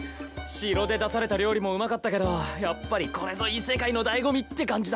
城で出された料理もうまかったけどやっぱりこれぞ異世界のだいご味って感じだな。